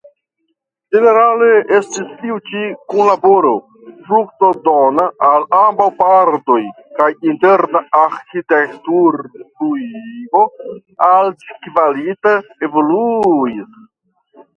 Ĝenerale estis tiu ĉi kunlaboro fruktodona al ambaŭ partoj kaj interna arĥitekturpluigo altkvalita evoluis.